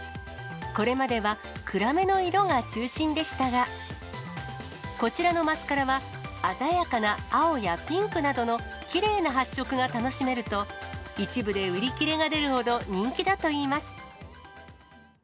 これまでは暗めの色が中心でしたが、こちらのマスカラは、鮮やかな青やピンクなどのきれいな発色が楽しめると、一部で売り切れが出るほど人気だといいます。